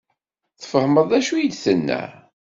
Tfehmeḍ d acu i d-tenna?